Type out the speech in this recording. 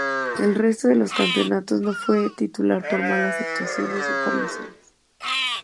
El resto de los campeonatos no fue titular por malas actuaciones o por lesiones.